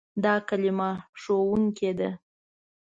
دا کلمه "ښوونکی" ده.